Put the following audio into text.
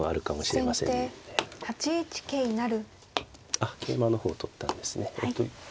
あっ桂馬の方を取ったんですね。